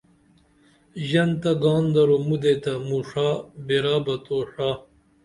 ژن تہ گان درو مودے تہ موڜا بیرا بہ تو ڜا